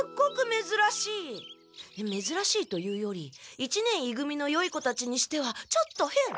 めずらしいというより一年い組のよい子たちにしてはちょっとへん！